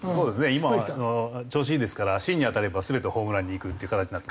今は調子いいですから芯に当たれば全てホームランにいくっていう形になってますね。